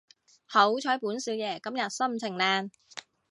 好彩本少爺今日心情靚